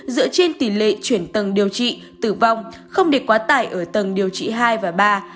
dựa trên tỷ lệ chuyển tầng điều trị tử vong không để quá tải ở tầng điều trị hai và ba